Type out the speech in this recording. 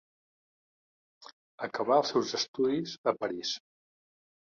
Acabà els seus estudis a París.